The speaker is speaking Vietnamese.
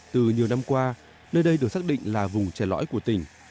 từ nhiều năm qua nơi đây được xác định là vùng trẻ lõi của tỉnh